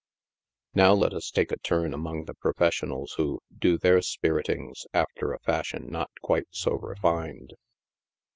Now let us take a turn among the professionals who " do their spir itings" after a fashion not quite so refined.